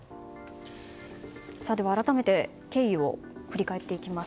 改めて経緯を振り返っていきます。